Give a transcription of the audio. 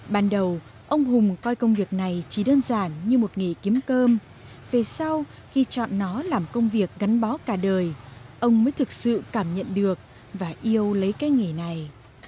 ban đầu ông hùng coi công việc này chỉ đơn giản như một nghề kiếm cơm về sau khi chọn nó làm công việc gắn bó cả đời ông mới thực sự cảm nhận được và yêu lấy cái nghề này